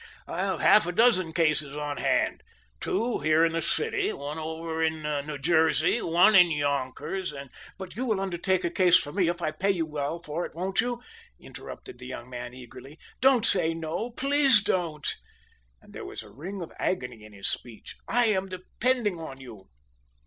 I have half a dozen cases on hand. Two here in the city one over in New Jersey one in Yonkers, and " "But you will undertake a case for me, if I pay you well for it, won't you?" interrupted the young man eagerly. "Don't say no please don't!" And there was a ring of agony in his speech. "I am depending upon you!"